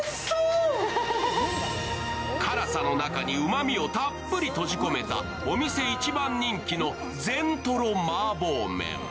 辛さの中にうまみをたっぷり閉じ込めた、お店一番人気の全とろ麻婆麺。